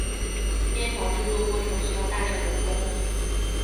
面条制作过程需要大量人工。